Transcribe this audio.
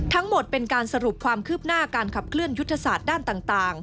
ทั้งหมดเป็นการสรุปความคืบหน้าการขับเคลื่อนยุทธศาสตร์ด้านต่าง